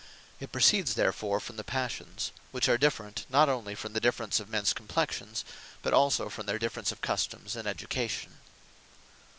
It proceeds therefore from the Passions; which are different, not onely from the difference of mens complexions; but also from their difference of customes, and education.